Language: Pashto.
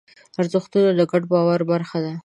ارزښتونه د ګډ باور برخه ده.